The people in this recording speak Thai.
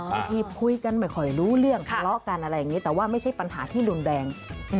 บางทีคุยกันไม่ค่อยรู้เรื่องทะเลาะกันอะไรอย่างนี้แต่ว่าไม่ใช่ปัญหาที่รุนแรง